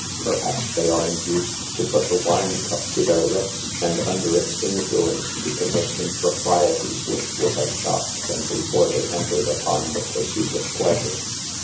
Perhaps they are induced to put THE PERILS OF POVERTY. 173 the wine cup to their lips, and under its influ ence to commit improprieties which would have shocked them before they entered upon the pursuit of pleasure.